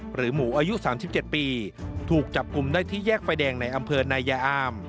หรือหมูอายุ๓๗ปีถูกจับกลุ่มได้ที่แยกไฟแดงในอำเภอนายาอาม